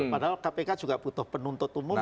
padahal kpk juga butuh penuntut umum